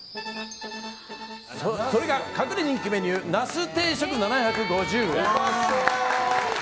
それが隠れ人気メニューナス定食、７５０円。